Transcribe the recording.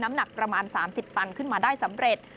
หนักประมาณ๓๐ตันขึ้นมาได้สำเร็จ